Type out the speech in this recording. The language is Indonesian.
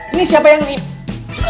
ini siapa yang pake batu